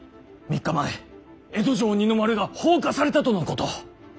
３日前江戸城二の丸が放火されたとのこと。